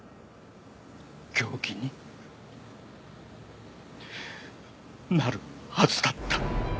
凶器になるはずだった。